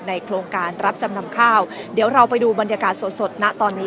โครงการรับจำนำข้าวเดี๋ยวเราไปดูบรรยากาศสดสดนะตอนนี้